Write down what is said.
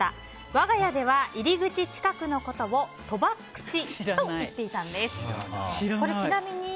我が家では入り口近くのことをとばっくちと言っていたんです。